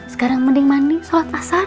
sekarang mending mandi sholat asar